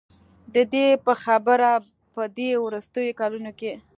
د دې په خبره په دې وروستیو کلونو کې